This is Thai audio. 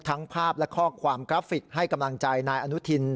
ภาพและข้อความกราฟิกให้กำลังใจนายอนุทิน